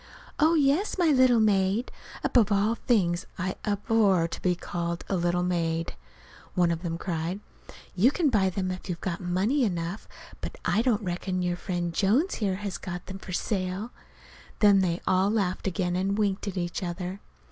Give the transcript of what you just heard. "Oh, yes, my little maid" (above all things I abhor to be called a little maid!) one of them cried. "You can buy them if you've got money enough; but I don't reckon our friend Jones here has got them for sale." Then they all laughed again, and winked at each other.